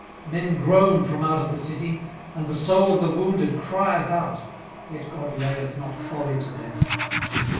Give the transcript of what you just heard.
18:024:012 Men groan from out of the city, and the soul of the wounded crieth out: yet God layeth not folly to them.